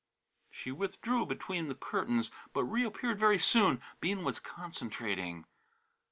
She withdrew between the curtains, but reappeared very soon. Bean was concentrating.